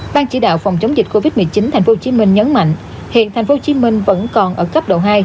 ban chỉ đạo phòng chống dịch covid một mươi chín tp hcm nhấn mạnh hiện tp hcm vẫn còn ở cấp độ hai